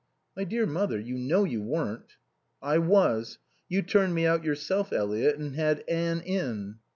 "My dear Mother, you know you weren't." "I was. You turned me out yourself, Eliot, and had Anne in."